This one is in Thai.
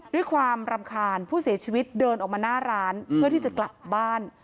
ด้วยความรำคาญผู้เสียชีวิตเดินออกมาหน้าร้านเพื่อที่จะกลับบ้าน